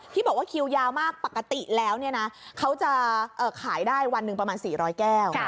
ที่บอกว่าคิวยาวมากปกติแล้วเนี่ยนะเขาจะขายได้วันหนึ่งประมาณ๔๐๐แก้ว